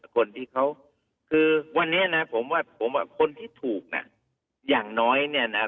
คนที่เขาคือวันนี้นะผมว่าผมว่าคนที่ถูกน่ะอย่างน้อยเนี่ยนะ